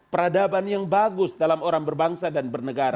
peradaban yang bagus dalam orang berbangsa dan bernegara